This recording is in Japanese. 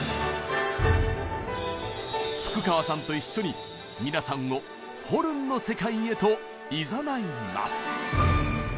福川さんと一緒に皆さんをホルンの世界へといざないます！